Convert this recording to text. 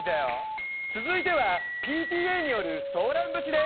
「続いてはＰＴＡによる『ソーラン節』です」。